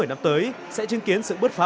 một mươi năm tới sẽ chứng kiến sự bứt phá